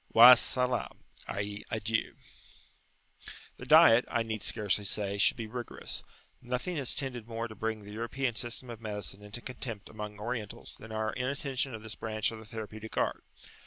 [FN#14]" The diet, I need scarcely say, should be rigorous; nothing has tended more to bring the European system of medicine into contempt among Orientals than our inattention to this branch of the therapeutic art.